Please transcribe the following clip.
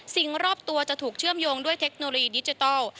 รอบตัวจะถูกเชื่อมโยงด้วยเทคโนโลยีดิจิทัล